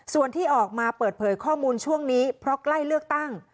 ส่วนที่ออกมาเปิดเผยข้อมูลช่วงนี้เพราะใกล้เลือกตั้ง